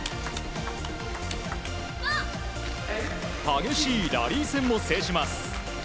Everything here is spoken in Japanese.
激しいラリー戦も制します。